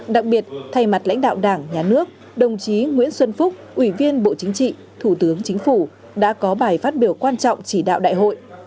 đặc biệt thay mặt lãnh đạo đảng nhà nước đồng chí nguyễn xuân phúc ủy viên bộ chính trị thủ tướng chính phủ đã có bài phát biểu quan trọng chỉ đạo đại hội